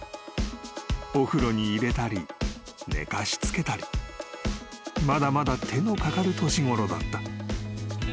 ［お風呂に入れたり寝かしつけたりまだまだ手のかかる年ごろだった］